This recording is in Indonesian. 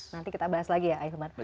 nanti kita bahas lagi ya ayah teman